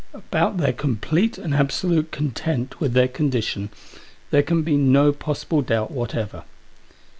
About their complete and absolute content with their condition there can be no possible doubt whatever.